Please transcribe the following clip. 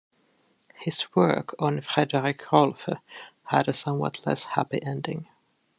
His work on Frederick Rolfe had a somewhat less happy ending.